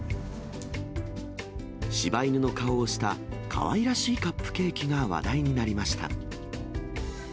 しば犬の顔をしたかわいらしいカップケーキが話題になりました。